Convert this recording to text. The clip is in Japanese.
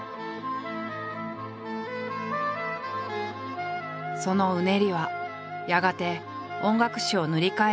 そのうねりはやがて音楽史を塗り替える潮流になった。